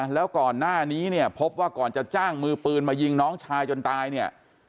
แล้วก่อนหน้านี้เนี่ยพบว่าก่อนจะจ้างมือปืนมายิงน้องชายจนตายเนี่ย